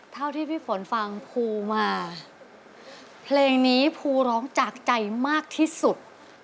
เท่าที่พี่ฝนฟังภูมาเพลงนี้ภูร้องจากใจมากที่สุด